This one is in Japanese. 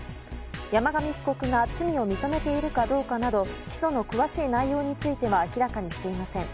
山上被告が罪を認めているかどうかなど起訴の詳しい内容については明らかにしていません。